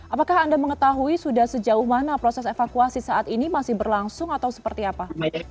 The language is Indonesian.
apakah anda mengetahui sudah sejauh mana proses evakuasi saat ini masih berlangsung atau seperti apa